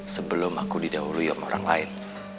sebelum aku didahuluium orang lain